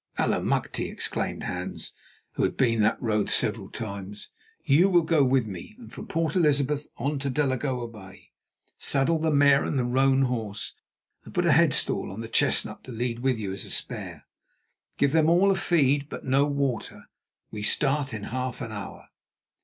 "Allemachte!" exclaimed Hans, who had been that road several times. "You will go with me, and from Port Elizabeth on to Delagoa Bay. Saddle the mare and the roan horse, and put a headstall on the chestnut to lead with you as a spare. Give them all a feed, but no water. We start in half an hour."